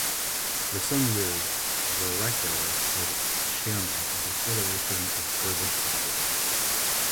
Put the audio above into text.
For some years Vereker was chairman of the Federation of British Audio.